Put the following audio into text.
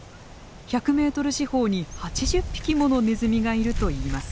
１００メートル四方に８０匹ものネズミがいるといいます。